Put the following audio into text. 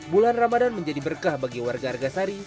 bulan ramadan menjadi berkah bagi warga arga sari